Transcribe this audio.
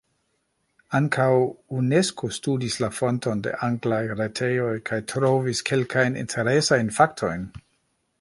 Ankaŭ Unesko studis la fonton de anglaj retejoj, kaj trovis kelkajn interesajn faktojn: